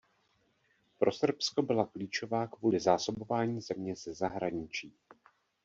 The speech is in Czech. Pro Srbsko byla klíčová kvůli zásobování země ze zahraničí.